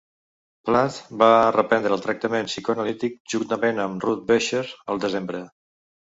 Plath va reprendre el tractament psicoanalític juntament amb Ruth Beuscher al desembre.